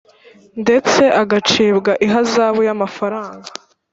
ndetse agacibwa ihazabu y’amafaranga ;